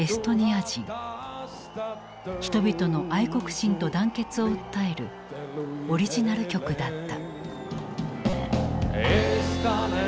人々の愛国心と団結を訴えるオリジナル曲だった。